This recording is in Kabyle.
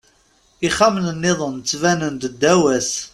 Ixxamen-nniḍen ttbanen-d ddaw-s.